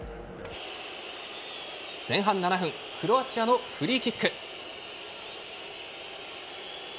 前半７分クロアチアのフリーキック。